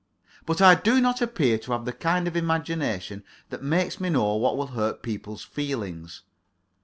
But I do not appear to have the kind of imagination that makes me know what will hurt people's feelings.